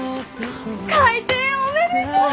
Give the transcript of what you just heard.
開店おめでとう！